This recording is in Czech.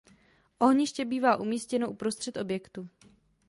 Ohniště bývá umístěno uprostřed objektu.